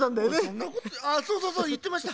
そんなあそうそういってました。